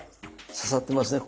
刺さってますね